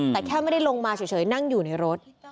แต่แค่ไม่ได้ลงมาเฉยนั่งอยู่ในรถ